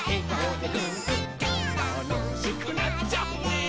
「たのしくなっちゃうね」